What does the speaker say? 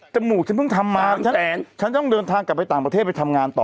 มูกฉันเพิ่งทำมาฉันต้องเดินทางกลับไปต่างประเทศไปทำงานต่อ